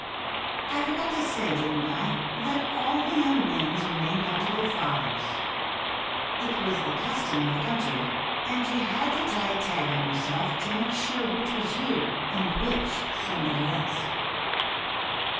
I forgot to say, didn't I, that all the young winds were named after their fathers? It was the custom of the country, and you had to tie a tag on yourself to make sure which was you and which somebody else.